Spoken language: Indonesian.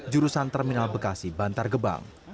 jurusan terminal bekasi bantar gebang